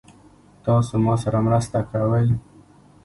تاسو ما سره مرسته کوئ؟